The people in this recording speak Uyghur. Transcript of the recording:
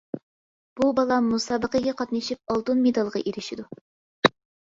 بۇ بالا مۇسابىقىگە قاتنىشىپ ئالتۇن مېدالغا ئېرىشىدۇ.